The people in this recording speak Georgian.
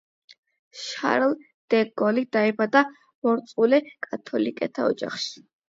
შარლ დე გოლი დაიბადა მორწმუნე კათოლიკეთა ოჯახში.